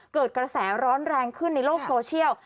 เกิดกระแสร้อนแรงขึ้นในโลกโซเชียล